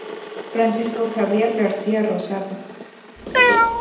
Francisco Javier García Rosado.